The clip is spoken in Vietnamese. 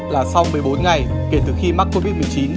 là sau một mươi bốn ngày kể từ khi mắc covid một mươi chín